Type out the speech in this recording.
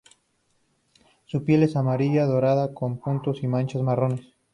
Su piel es amarilla dorada con puntos y manchas marrones.